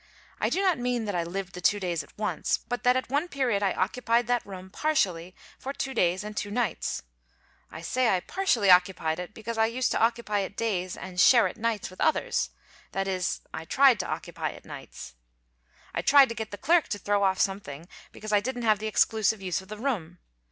I do not mean that I lived the two days at once, but that at one period I occupied that room, partially, for two days and two nights, I say I partially occupied it, because I used to occupy it days and share it nights with others; that is, I tried to occupy it nights. I tried to get the clerk to throw off something because I didn't have the exclusive use of the room.